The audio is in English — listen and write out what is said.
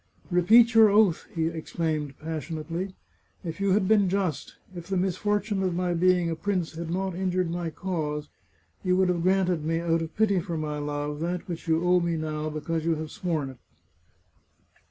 " Repeat your oath !" he exclaimed passionately. " If you had been just, if the misfortune of my being a prince had not injured my cause, you would have granted me, out of pity for my love, that which you owe me now, because you have sworn it."